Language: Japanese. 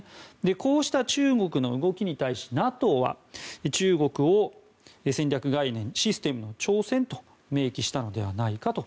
こうした中国の動きに対しＮＡＴＯは中国をシステムへの挑戦と明記したのではないかと。